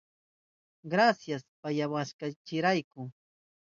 Grasias pasyawashkaykirayku.